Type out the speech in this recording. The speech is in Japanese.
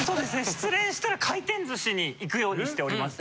失恋したら回転寿司に行くようにしております。